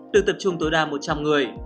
được tập trung tối đa một trăm linh người